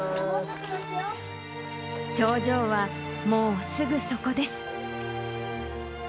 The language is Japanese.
頂上はもうすぐそこです。